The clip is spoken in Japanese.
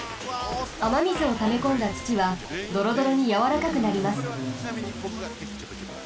あまみずをためこんだつちはどろどろにやわらかくなります。